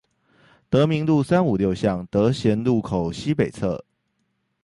德民路三五六巷德賢路口西北側